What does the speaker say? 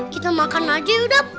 kita makan aja yuk dam